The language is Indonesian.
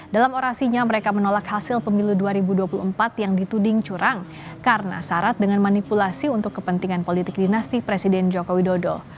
dalam orasinya mereka menolak hasil pemilu dua ribu dua puluh empat yang dituding curang karena syarat dengan manipulasi untuk kepentingan politik dinasti presiden joko widodo